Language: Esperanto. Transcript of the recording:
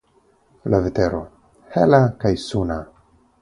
La vetero: hela kaj suna.